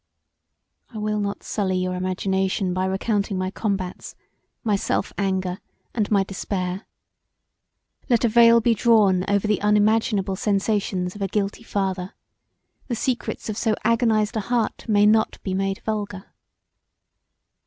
I will not sully your imagination by recounting my combats, my self anger and my despair. Let a veil be drawn over the unimaginable sensations of a guilty father; the secrets of so agonized a heart may not be made vulgar.